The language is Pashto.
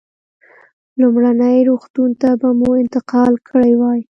لومړني روغتون ته به مو انتقال کړی وای.